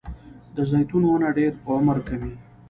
د زیتون ونه ډیر عمر کوي